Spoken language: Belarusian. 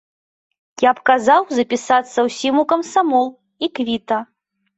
Я б казаў запісацца ўсім у камсамол, і квіта.